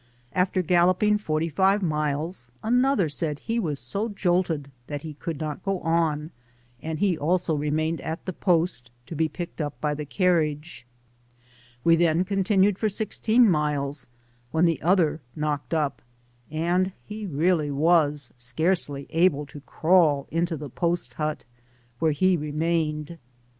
After galloping forty five miles, another said he was so jolted that he could not go on, and he also remained at the post to be picked up by the carriage : we then continued for sixteen miles, when the other knocked up, and he really was scarcely able to crawl into the post hut, where he remained.